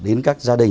đến các gia đình